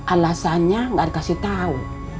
alasannya enggak dikasih tahu